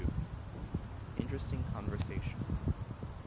Interesting Conversation.